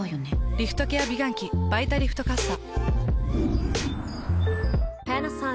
リフトケア美顔器「バイタリフトかっさ」。